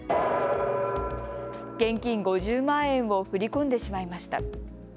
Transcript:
現金５０万円を振り込んでしまいました。